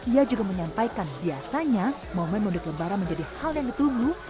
ia juga menyampaikan biasanya momen mudik lebaran menjadi hal yang ditunggu